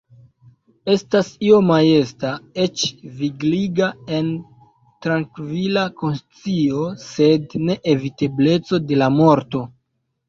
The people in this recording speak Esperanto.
Estas io majesta, eĉ vigliga, en la trankvila konscio de neevitebleco de la morto.